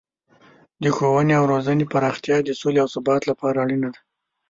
د ښوونې او روزنې پراختیا د سولې او ثبات لپاره اړینه ده.